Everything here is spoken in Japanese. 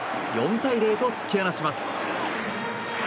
４対０と突き放します。